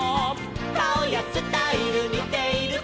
「かおやスタイルにているか」